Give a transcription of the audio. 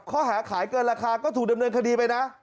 ขายเกินราคาก็ถูกดำเนินคดีไปนะ